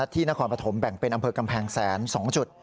นครปฐมแบ่งเป็นอำเภอกำแพงแสน๒จุด